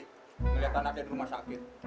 ngeliat anaknya di rumah sakit